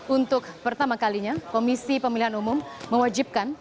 untuk pertama kalinya komisi pemilihan umum mewajibkan